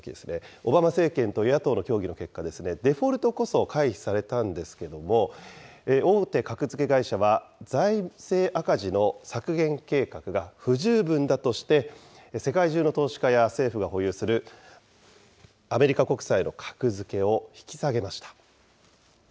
オバマ政権と野党の協議の結果、デフォルトこそ回避されたんですけれども、大手格付け会社は、財政赤字の削減計画が不十分だとして、世界中の投資家や政府が保有するアメリカ国債の格付けを引き下げました。